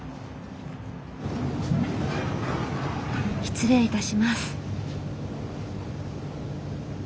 失礼いたします。